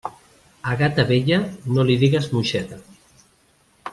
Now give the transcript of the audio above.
A gata vella, no li digues moixeta.